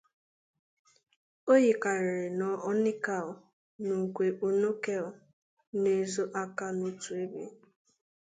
O yikarịrị na "Onikal" na "Ukwel Unokel na-" ezo aka n'otu ebe.